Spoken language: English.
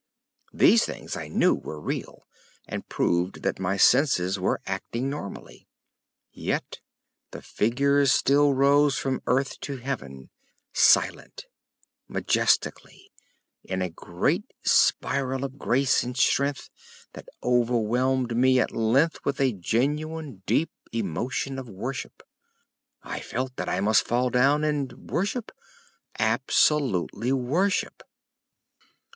These things, I knew, were real, and proved that my senses were acting normally. Yet the figures still rose from earth to heaven, silent, majestically, in a great spiral of grace and strength that overwhelmed me at length with a genuine deep emotion of worship. I felt that I must fall down and worship—absolutely worship.